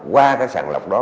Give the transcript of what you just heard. qua cái sàn lọc đó